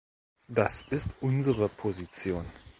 Das ist unsere Position.